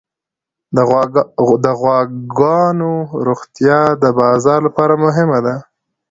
د غواګانو روغتیا د بازار لپاره مهمه ده.